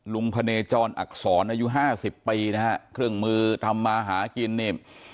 พะเนจรอักษรอายุห้าสิบปีนะฮะเครื่องมือทำมาหากินนี่